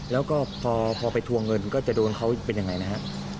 แล้วก็พอไปทวงเงินก็จะโดนเขาเป็นยังไงนะครับ